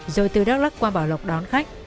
rồi từ đắc lắc qua bảo lộc đón đến